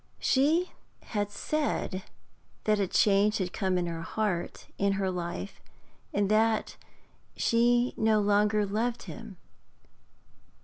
She had said that a change had come in her heart, in her life, and that she no longer loved him.